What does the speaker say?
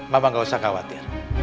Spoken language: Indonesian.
mama gak usah khawatir